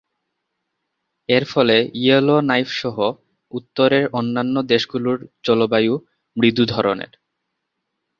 এর ফলে ইয়েলোনাইফ-সহ উত্তরের অন্যান্য দেশগুলোর জলবায়ু মৃদু ধরনের।